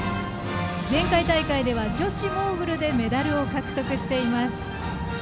前回大会では、女子モーグルでメダルを獲得しています。